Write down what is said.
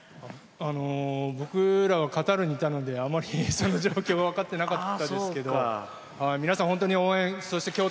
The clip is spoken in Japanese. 僕らはカタールにいたのでその状況はあまり分かってなかったですけど皆さん本当に応援共闘